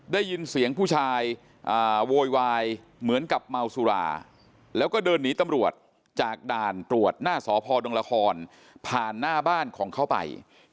ได้ยินเสียงผู้ชายโวยวายเหมือนกับเมาสุราแล้วก็เดินหนีตำรวจจากด่านตรวจหน้าสพดงละครผ่านหน้าบ้านของเขาไป